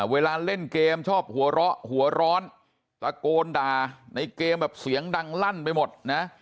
เวลาเล่นเกมชอบหัวเราะหัวร้อนตะโกนด่าในเกมแบบเสียงดังลั่นไปหมดนะ